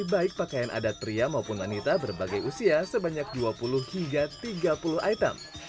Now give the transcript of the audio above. baik pakaian adat pria maupun wanita berbagai usia sebanyak dua puluh hingga tiga puluh item